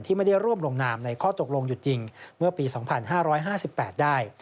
ไม่ได้ร่วมลงนามในข้อตกลงหยุดจริงเมื่อปี๒๕๕๘ได้